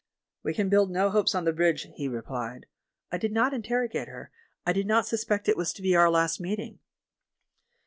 "We can build no hopes on the bridge," he replied; "I did not interrogate her — I did not suspect it was to be our last meeting."